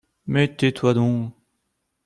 Mais tais-toi donc !